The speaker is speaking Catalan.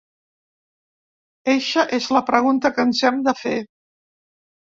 Eixa és la pregunta que ens hem de fer.